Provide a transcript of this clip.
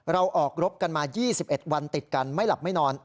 เราออกรบกันมา๒๑วันติดกันไม่หลับไม่นอน